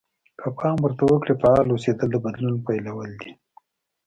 که پام ورته وکړئ فعال اوسېدل د بدلون پيلول دي.